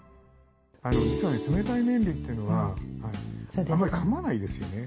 実はね冷たい麺類というのはあんまりかまないですよね。